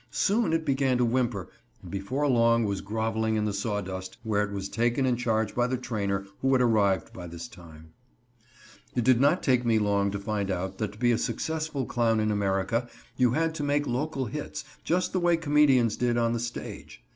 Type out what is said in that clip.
Soon it began to whimper and before long was groveling in the sawdust, where it was taken in charge by the trainer, who had arrived by this time. It did not take me long to find out that to be a successful clown in America you had to make local hits, just the way comedians did on the stage.